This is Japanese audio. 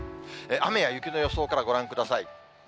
雨や雪の予想からご覧ください。